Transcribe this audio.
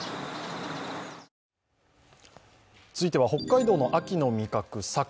続いては北海道の秋の味覚、サケ。